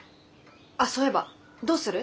あそういえばどうする？